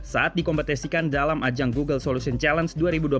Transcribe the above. saat dikompetisikan dalam ajang google solution challenge dua ribu dua puluh tiga